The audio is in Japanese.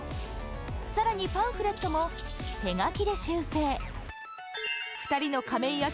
さらにパンフレットも、手書きで修正。